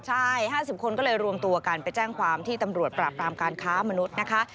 ใช่๕๐คนก็เลยรวมตัวกันไปแจ้งความที่ตำรวจปราบรามการค้ามนุษย์นะคะ